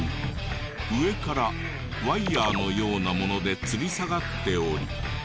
上からワイヤのようなものでつり下がっており